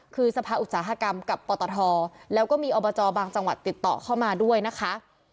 คือสภาอุตสาหกรรมกับปตทแล้วก็มีอบจบางจังหวัดติดต่อเข้ามาด้วยนะคะ